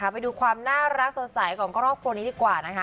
ไปดูความน่ารักสนใสของครอบครวนนี้ละค่ะ